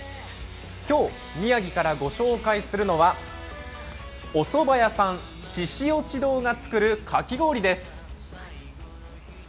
今日、宮城からご紹介するのはおそば屋さん、鹿落堂が作るかき氷です。